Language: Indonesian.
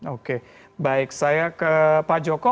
oke baik saya ke pak joko